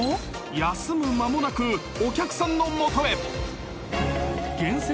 ［休む間もなくお客さんの元へ］